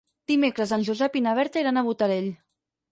Dimecres en Josep i na Berta iran a Botarell.